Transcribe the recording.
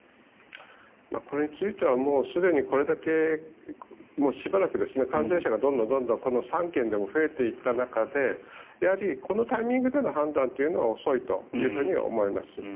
これについてはすでにこれだけしばらく感染者がどんどんこの３県でも増えていった中でやはりこのタイミングでの判断というのは遅いと思います。